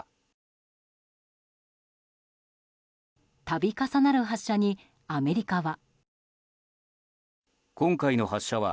度重なる発射にアメリカは。